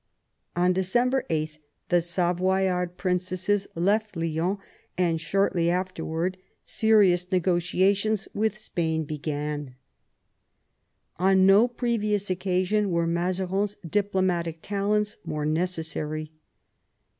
On December 8 the Savoyard princesses left Lyons, and shortly afterwards serious negotiations 144 MAZARIN chap. with Spain were begun. On no previous occasion were Muzarin's diplomatic talents more necessary.